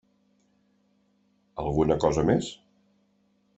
Alguna cosa més?